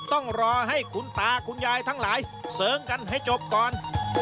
ต้องรอให้คุณตาคุณยายทั้งหลายเสริงกันให้จบก่อน